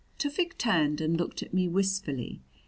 Tufik turned and looked at me wistfully.